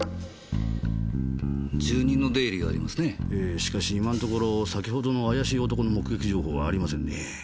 しかし今のところ先程の怪しい男の目撃情報はありませんねぇ。